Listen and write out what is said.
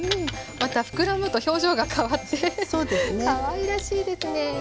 また膨らむと表情が変わってかわいらしいですね。